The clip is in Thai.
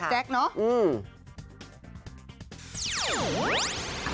จักแจ๊กเนอะ